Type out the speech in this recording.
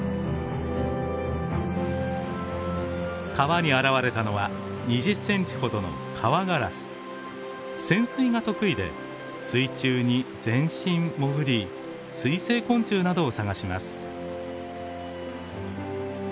川に現れたのは２０センチほどの潜水が得意で水中に全身潜り水生昆虫などを探します。